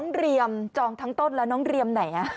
เรียมจองทั้งต้นแล้วน้องเรียมไหน